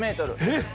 えっ。